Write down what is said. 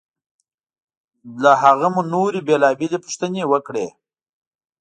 له هغه مو نورې بېلابېلې پوښتنې وکړې.